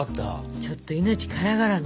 ちょっと命からがらの逃避行よ？